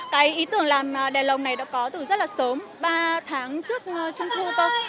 cái ý tưởng làm đèn lồng này đã có từ rất là sớm ba tháng trước trung thu thôi